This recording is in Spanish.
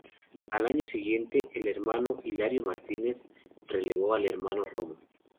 Al año siguiente, el Hermano Hilario Martínez relevó al Hermano Romo.